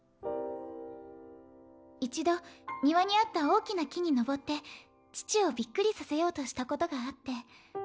一度庭にあった大きな木に登って父をびっくりさせようとしたことがあって。